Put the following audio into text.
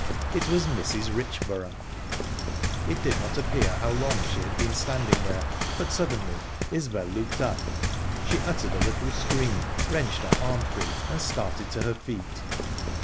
It was Mrs. Richborough! It did not appear how long she had been standing there, but suddenly Isbel looked up. She uttered a little scream, wrenched her arm free, and started to her feet.